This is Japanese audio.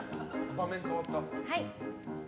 場面が変わった。